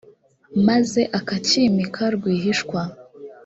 maze akacyimika rwihishwa